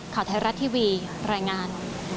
ข่าวไทยรัฐทีวีรายงาน